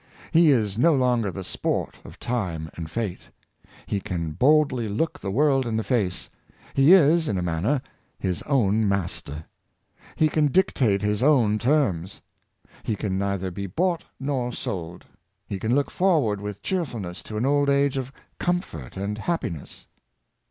He is no. lon ger the sport of time and fate. He can boldly look the world in the face. He is, in a manner, his own master. He can dictate his own terms. He can neither be bought nor sold. He can look forward with cheerful ness to an old age of comfort and happiness.